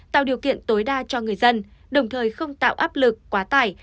tạo điều kiện tối đa cho người dân đồng thời không tạo áp lực quá tải